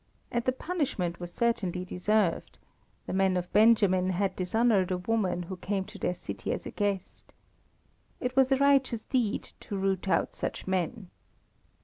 And the punishment was certainly deserved the men of Benjamin had dishonoured a woman who came to their city as a guest. It was a righteous deed to root out such men.